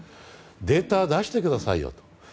データを出してくださいよと。